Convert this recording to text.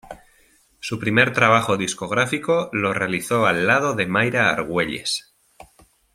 Su primer trabajo discográfico lo realizó al lado de Mayra Argüelles.